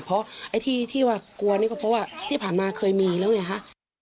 เพราะไอ้ที่ว่ากลัวนี่ก็เพราะว่าที่ผ่านมาเคยมีแล้วไงคะ